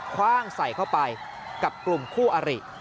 คว่างใส่เข้าไปกับกลุ่มคู่อริ